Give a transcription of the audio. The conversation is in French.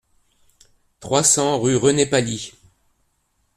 trois cents rue René Palix